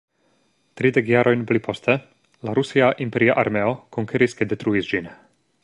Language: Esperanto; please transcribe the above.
Tridek jarojn pli poste, la rusia imperia armeo konkeris kaj detruis ĝin.